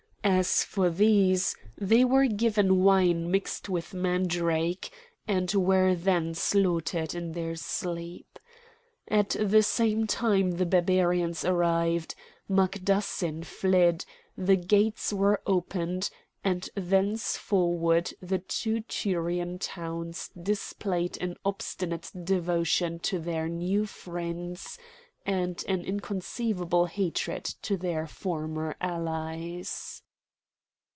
As for these, they were given wine mixed with mandrake, and were then slaughtered in their sleep. At the same time the Barbarians arrived; Magdassin fled; the gates were opened, and thenceforward the two Tyrian towns displayed an obstinate devotion to their new friends and an inconceivable hatred to their former allies.